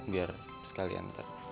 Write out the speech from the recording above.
biar sekalian ntar